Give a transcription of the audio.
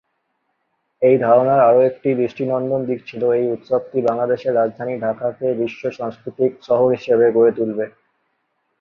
এই ধারণার আরও একটি দৃষ্টিনন্দন দিক ছিল এই উৎসবটি বাংলাদেশের রাজধানী ঢাকাকে বিশ্ব সাংস্কৃতিক শহর হিসাবে গড়ে তুলবে।